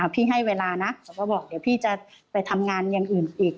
ให้เวลานะเขาก็บอกเดี๋ยวพี่จะไปทำงานอย่างอื่นอีก